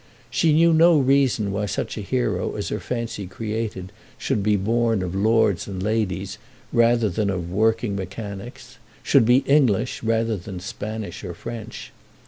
She knew no reason why such a hero as her fancy created should be born of lords and ladies rather than of working mechanics, should be English rather than Spanish or French.